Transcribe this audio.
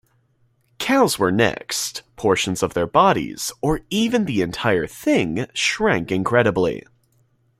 Cows were next, portions of their bodies, or even the entire thing, shrank incredibly.